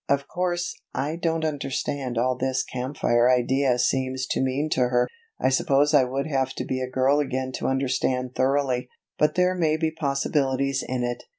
Of course I don't understand all this Camp Fire idea seems to mean to her, I suppose I would have to be a girl again to understand thoroughly, but there may be possibilities in it.